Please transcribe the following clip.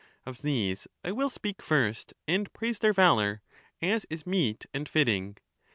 Of these I will speak first, and praise their valour, as is meet and fitting.